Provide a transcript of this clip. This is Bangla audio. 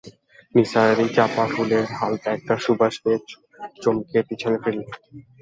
নিসার আলি চাঁপা ফুলের হালকা একটা সুবাস পেয়ে চমকে পেছনে ফিরলেন।